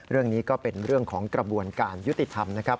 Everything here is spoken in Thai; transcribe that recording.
เรื่องนี้ก็เป็นเรื่องของกระบวนการยุติธรรมนะครับ